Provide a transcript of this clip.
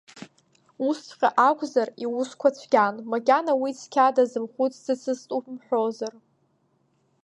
Усҵәҟьа акәзар, иусқәа цәгьан, макьана уи цқьа дазымхәыцӡацызт умҳәозар.